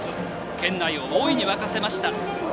県内を大いに沸かせました。